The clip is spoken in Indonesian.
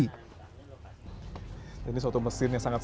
dengan tungku dan kayu bakar hari itu hairina memasak rendang daging sapi